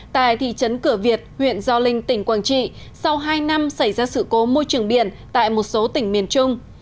tại thị trấn cửa việt huyện gio linh tỉnh quảng trị sau hai năm xảy ra sự cố môi trường biển tại một số tỉnh miền trung